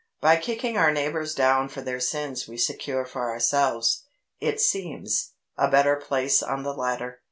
By kicking our neighbours down for their sins we secure for ourselves, it seems, a better place on the ladder.